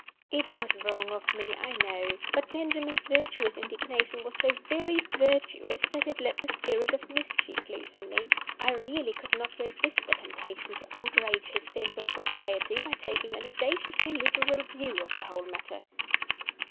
It was wrong of me, I know. But Benjamin's virtuous indignation was so very virtuous that it let the spirit of mischief loose in me. I really could not resist the temptation to outrage his sense of propriety by taking an audaciously liberal view of the whole matter.